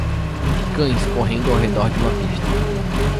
Cães correndo ao redor de uma pista